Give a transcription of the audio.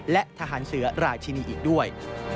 และทหารเสือราชินีอีกด้วย